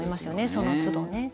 そのつどね。